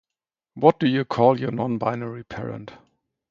What would you call your non-binary parent?